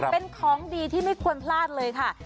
เป็นของดีที่ไม่ควรพลาดเลยค่ะ